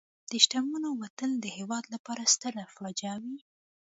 د شتمنو وتل د هېواد لپاره ستره فاجعه وي.